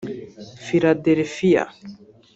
Philadelphia